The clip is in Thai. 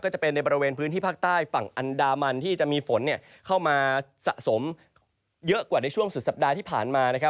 จะเป็นในบริเวณพื้นที่ภาคใต้ฝั่งอันดามันที่จะมีฝนเข้ามาสะสมเยอะกว่าในช่วงสุดสัปดาห์ที่ผ่านมา